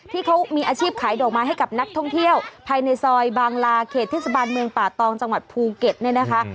ที่เขามีอาชีพขายดอกไม้ให้กับนักท่องเที่ยวภายในซอยบางลาเขตเทศบาลเมืองป่าตองจังหวัดภูเก็ตเนี่ยนะคะ